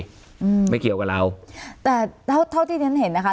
อืมไม่เกี่ยวกับเราแต่เท่าเท่าที่ฉันเห็นนะคะ